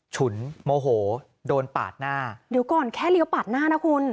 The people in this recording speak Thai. ฉุนโมโหโดนปาดหน้าเดี๋ยวก่อนแค่เลี้ยวปาดหน้านะคุณ